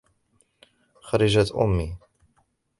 خرجت أمي.